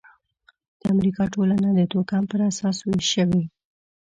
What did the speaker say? د امریکا ټولنه د توکم پر اساس وېش شوې.